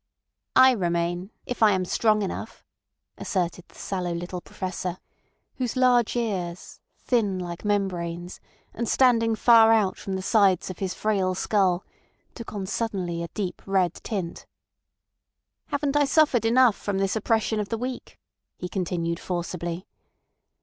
"I remain—if I am strong enough," asserted the sallow little Professor, whose large ears, thin like membranes, and standing far out from the sides of his frail skull, took on suddenly a deep red tint. "Haven't I suffered enough from this oppression of the weak?" he continued forcibly.